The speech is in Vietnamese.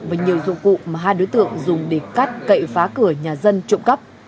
và nhiều dụng cụ mà hai đối tượng dùng để cắt cậy phá cửa nhà dân trộm cắp